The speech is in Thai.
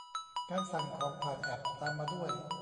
การสั่งของผ่านแอป ตามมาด้วย